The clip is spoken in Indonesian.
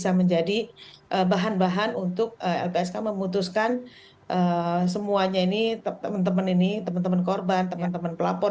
dan menjadi bahan bahan untuk lpsk memutuskan semuanya ini teman teman ini teman teman korban teman teman pelapor